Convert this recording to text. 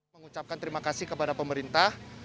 mengucapkan terima kasih kepada pemerintah